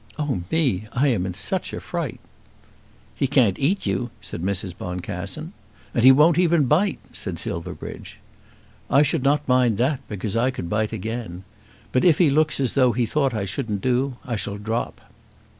"Oh me! I am in such a fright." "He can't eat you," said Mrs. Boncassen. "And he won't even bite," said Silverbridge. "I should not mind that because I could bite again. But if he looks as though he thought I shouldn't do, I shall drop."